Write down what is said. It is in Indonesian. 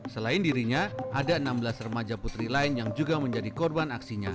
selain dirinya ada enam belas remaja putri lain yang juga menjadi korban aksinya